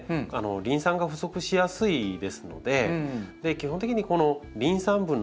リン酸が不足しやすいですので基本的にリン酸分の多い肥料。